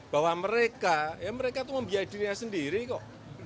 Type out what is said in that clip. bahwa mereka ya mereka itu membiayai dirinya sendiri kok